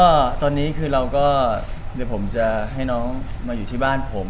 ก็ตอนนี้คือเราก็เดี๋ยวผมจะให้น้องมาอยู่ที่บ้านผม